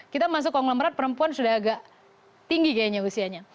kita masuk konglomerat perempuan sudah agak tinggi kayaknya usianya